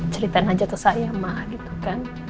ceritain aja ke saya mah gitu kan